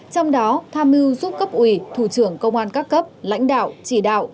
trong đó tham mưu giúp cấp ủy thủ trưởng công an các cấp lãnh đạo chỉ đạo